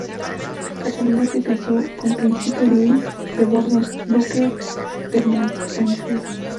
Catalina se casó con príncipe Luis de Borbón, duque de Montpensier.